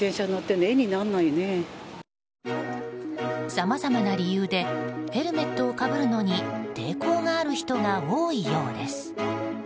さまざまな理由でヘルメットをかぶるのに抵抗がある人が多いようです。